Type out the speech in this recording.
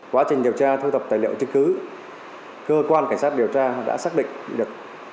quá trình điều tra thu thập tài liệu chứng cứ cơ quan cảnh sát điều tra đã xác định được